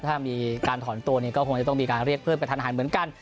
ถ้ามีการถอนตัวเนี่ยก็คงจะต้องมีการเรียกเพิ่มกระทันหันเหมือนกัน